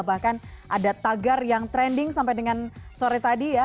bahkan ada tagar yang trending sampai dengan sore tadi ya